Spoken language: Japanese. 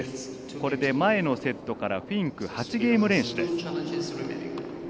これで前のセットからフィンク、８ゲーム連取。